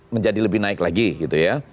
menjadi lebih naik lagi gitu ya